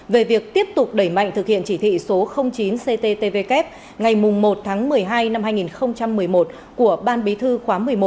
về việc tiếp tục đẩy mạnh thực hiện chỉ thị số chín cttvk ngày một tháng một mươi hai năm hai nghìn một mươi một của ban bí thư khóa một mươi một